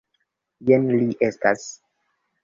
Jen li estas.